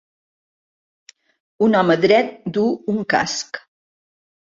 Un home dret duu un casc.